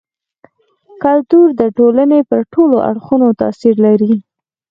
کلتور د ټولني پر ټولو اړخونو تاثير لري.